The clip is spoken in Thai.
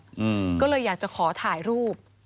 อืมก็เลยอยากจะขอถ่ายรูป